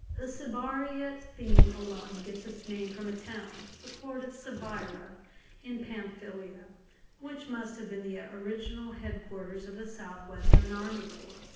The Cibyrrhæot theme alone gets its name from a town, the port of Cibyra in Pamphylia, which must have been the original headquarters of the South Western Army Corps.